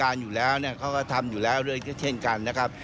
การอยู่แล้วนี่เขาว่าทำอยู่แล้วเลยเช่นกันนะครับ